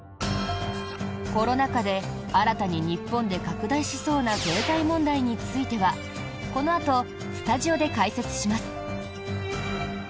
コロナ禍で新たに日本で拡大しそうな経済問題についてはこのあとスタジオで解説します。